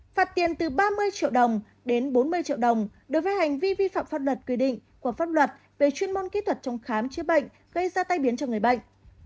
phạt tiền từ ba mươi triệu đồng đến bốn mươi triệu đồng đối với hành vi vi phạm pháp luật quy định của pháp luật về chuyên môn kỹ thuật trong khám chữa bệnh gây ra tay biến cho người bệnh